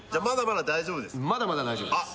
まだまだ大丈夫です